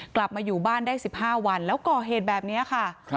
กลับมาอยู่บ้านได้๑๕วันแล้วก่อเหตุแบบนี้ค่ะ